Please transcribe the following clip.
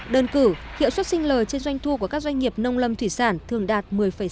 đơn cử hiệu suất sinh lời trên doanh thu của các doanh nghiệp nông lâm thủy sản thường đạt một mươi sáu